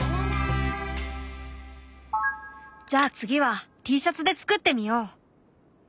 じゃあ次はＴシャツで作ってみよう。